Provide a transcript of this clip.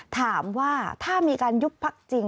ถามว่าถ้ามีการยุบพักจริง